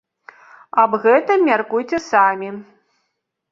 Аб гэтым мяркуйце самі.